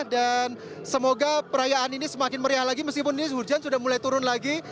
dan semoga perayaan ini semakin meriah lagi meskipun ini hujan sudah mulai turun lagi